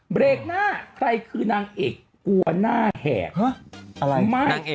บริกนะใครคือนางเอกกลัวหน้าแห่ง